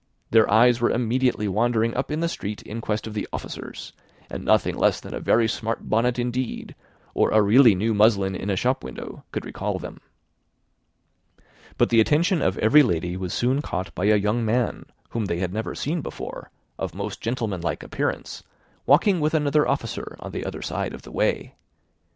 Their eyes were immediately wandering up the street in quest of the officers, and nothing less than a very smart bonnet, indeed, or a really new muslin in a shop window, could recall them. But the attention of every lady was soon caught by a young man, whom they had never seen before, of most gentlemanlike appearance, walking with an officer on the other side of the way.